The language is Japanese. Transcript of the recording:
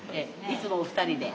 いつもお２人で。